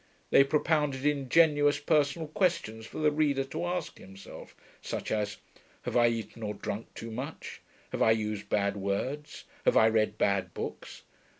They propounded ingenuous personal questions for the reader to ask himself, such as 'Have I eaten or drunk too much? Have I used bad words? Have I read bad books?'